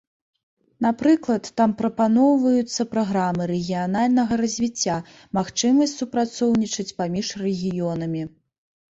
Напрыклад, там прапаноўваюцца праграмы рэгіянальнага развіцця, магчымасць супрацоўнічаць паміж рэгіёнамі.